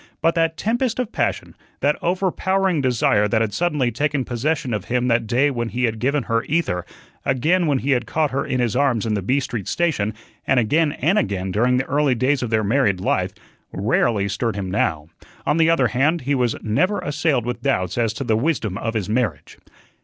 But that tempest of passion, that overpowering desire that had suddenly taken possession of him that day when he had given her ether, again when he had caught her in his arms in the B Street station, and again and again during the early days of their married life, rarely stirred him now. On the other hand, he was never assailed with doubts as to the wisdom of his marriage.